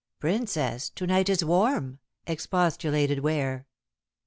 "Princess, to night is warm!" expostulated Ware.